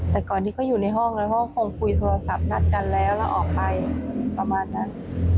แต่ก่อนที่เขาอยู่ในห้องแล้วเขาก็คงคุยโทรศัพท์นัดกันแล้วแล้วออกไปประมาณนั้น